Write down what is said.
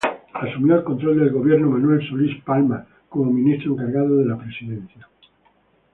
Asumió el control del gobierno Manuel Solís Palma como Ministro Encargado de la Presidencia.